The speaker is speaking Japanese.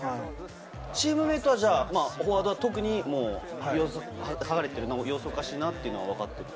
チームメートはフォワードは特に、剥がれてるのは様子がおかしいなってわかってたと。